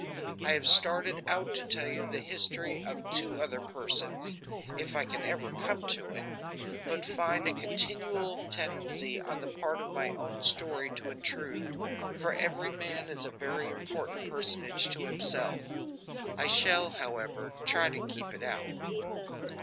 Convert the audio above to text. I have started out to tell you the history of two other persons if I can ever come to it but find a continual tendency on the part of my own story to intrude, for every man is a very important personage to himself. I shall, however, try to keep it out.